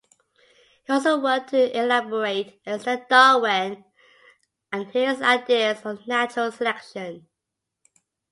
He also worked to elaborate and extend Darwin and his ideas on natural selection.